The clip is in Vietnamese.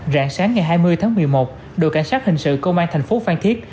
rạng sáng ngày hai mươi tháng một mươi một đội cảnh sát hình sự công an thành phố phan thiết